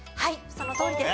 そのとおりです。